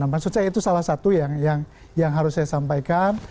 maksud saya itu salah satu yang harus saya sampaikan